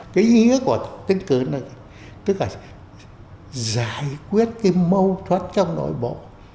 cái ý của tuyển cử này tức là giải quyết cái mâu thuật trong nội bộ